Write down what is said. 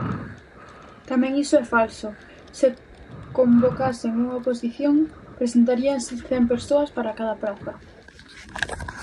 Tamén iso é falso: se convocasen unha oposición presentaríanse cen persoas para cada praza.